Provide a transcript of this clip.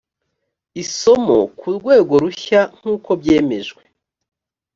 isomo ku rwego rushya nk uko byemejwe